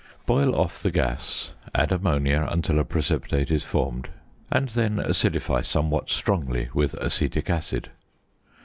Boil off the gas, add ammonia until a precipitate is formed, and then acidify somewhat strongly with acetic acid.